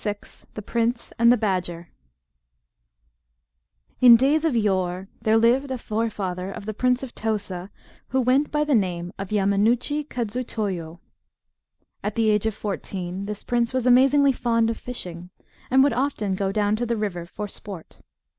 ] THE PRINCE AND THE BADGER In days of yore there lived a forefather of the Prince of Tosa who went by the name of Yamanouchi Kadzutoyo. At the age of fourteen this prince was amazingly fond of fishing, and would often go down to the river for sport.